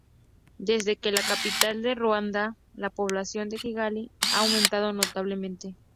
Desde que es la capital de Ruanda, la población de Kigali ha aumentado notablemente.